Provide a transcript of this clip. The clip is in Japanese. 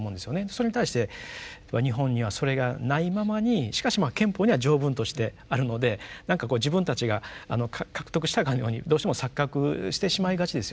それに対して日本にはそれがないままにしかしまあ憲法には条文としてあるので何かこう自分たちが獲得したかのようにどうしても錯覚してしまいがちですよね。